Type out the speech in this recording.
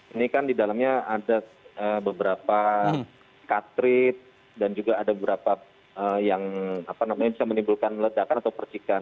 ini kan di dalamnya ada beberapa katrit dan juga ada beberapa yang bisa menimbulkan ledakan atau persikan